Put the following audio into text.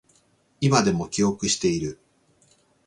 今でも記憶している